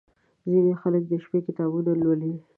• ځینې خلک د شپې کتابونه لولي.